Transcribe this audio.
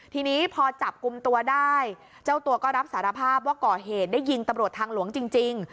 ทีนี้พอจับกลุ่มตัวได้เจ้าตัวก็รับสารภาพว่าก่อเหตุได้ยิงตำรวจทางหลวงจริง